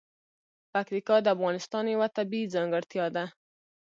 پکتیکا د افغانستان یوه طبیعي ځانګړتیا ده.